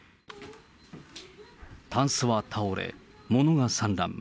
タンスは倒れ、物が散乱。